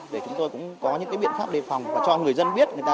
để chúng tôi cũng có những biện pháp đề phòng và cho người dân biết